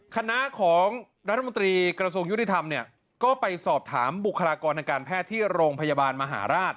คณะของรัฐมนตรีกระทรวงยุติธรรมเนี่ยก็ไปสอบถามบุคลากรทางการแพทย์ที่โรงพยาบาลมหาราช